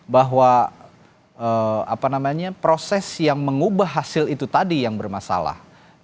bahwa proses yang mengubah hasil itu tadi yang bermasalah